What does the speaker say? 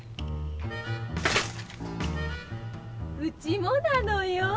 うちもなのよ。